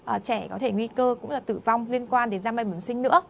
trẻ có thể nguy cơ cũng là tử vong liên quan đến răng mai bẩm sinh nữa